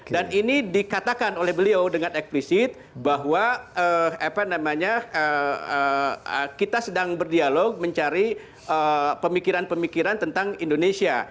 dan ini dikatakan oleh beliau dengan eksplisit bahwa kita sedang berdialog mencari pemikiran pemikiran tentang indonesia